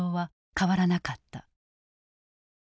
変わらなかった。